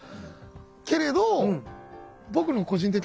けれど僕の個人的な。